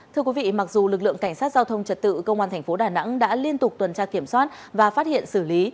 thưa quý vị mặc dù lực lượng cảnh sát giao thông trật tự công an thành phố đà nẵng đã liên tục tuần tra kiểm soát và phát hiện xử lý